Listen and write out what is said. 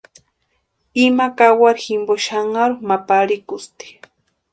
Ima kawaru jimpo xanharu ma parhikusti.